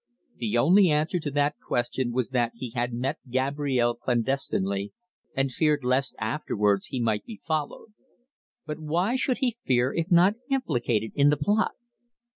The only answer to that question was that he had met Gabrielle clandestinely and feared lest afterwards he might be followed. But why should he fear if not implicated in the plot?